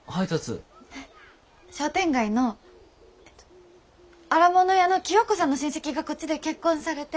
商店街のえっと荒物屋の清子さんの親戚がこっちで結婚されて。